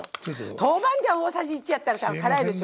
豆板醤大さじ１やったら多分辛いでしょ。